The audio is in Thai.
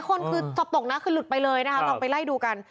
คือจบตกนะคือหลุดไปเลยนะครับต้องไปไล่ดูกัน